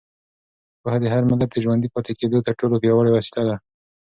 پوهه د هر ملت د ژوندي پاتې کېدو تر ټولو پیاوړې وسیله ده.